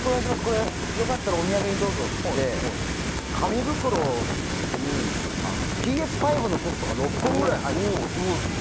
これ、よかったらお土産にどうぞって言って紙袋にＰＳ５のソフトが６本ぐらい入ってて。